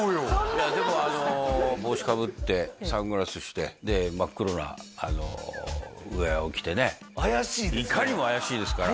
いやでも帽子かぶってサングラスしてで真っ黒なウエアを着てね怪しいですね